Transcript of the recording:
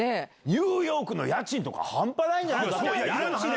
ニューヨークの家賃とか半端ないんじゃないの？